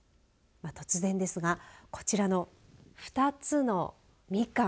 突然ですが、こちらの２つのみかん。